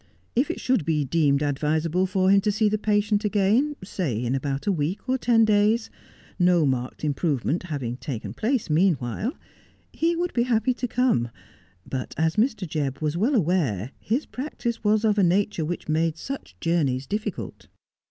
If it should be deemed advisable for him to see the patient again, say in about a week or ten days, no marked improvement having taken place meanwhile, he would be happy to come ; but, as Mr. Jebb was well aware, his practice was of a nature which made such journeys difficult.